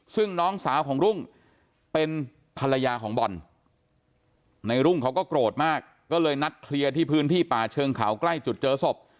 ซึ่งน้องสาวของรุ่งเป็นภรรยาของบอลในรุ่งเขาก็โกรธมากก็เลยนัดเคลียร์ที่พื้นที่ป่าเชิงเขาใกล้จุดเจอศพ